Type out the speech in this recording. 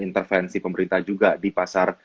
intervensi pemerintah juga di pasar